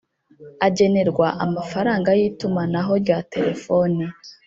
agenerwa amafaranga y itumanaho rya telefoni